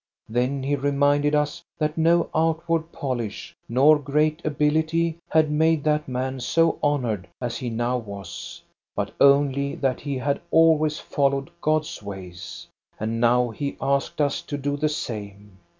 Then he reminded us that no outward polish nor great ability had made that man so honored as he now was, but only that he had always followed God's ways. And now he asked us to do the same.